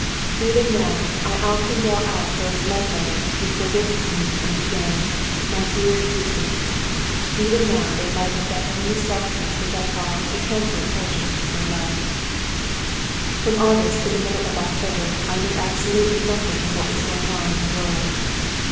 Even now I often draw out those love letters which were written to me and began "My dear Juczi." Even now they light up that endless darkness which I call the cancelled portion of my life. [Footnote 64: Contraction for Judith.] From August to the middle of October I knew absolutely nothing of what was going on in the world.